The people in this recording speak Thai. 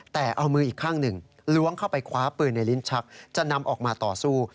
แต่เอามืออีกข้างหนึ่งล้วงเข้าไปคว้าปืนในลิ้นชักจะนำออกมาต่อสู้